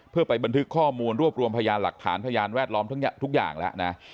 เพื่อไปบันทึกข้อมูลรวบรวมพยานหลักฐานพยานแวดล้อมทุกอย่างแล้วนะ